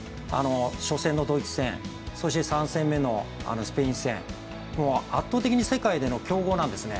初戦のドイツ戦、３戦目のスペイン戦圧倒的に世界での強豪なんですね。